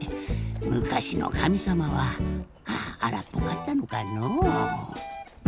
むかしのかみさまはあらっぽかったのかのう。